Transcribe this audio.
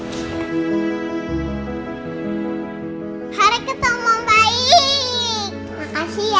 makasih ya pak